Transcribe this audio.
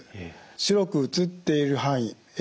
白く映っている範囲え